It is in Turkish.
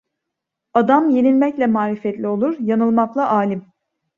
Adam yenilmekle marifetli olur, yanılmakla alim.